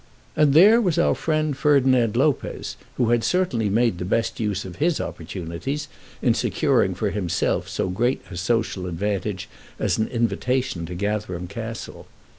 And there was our friend Ferdinand Lopez, who had certainly made the best use of his opportunities in securing for himself so great a social advantage as an invitation to Gatherum Castle.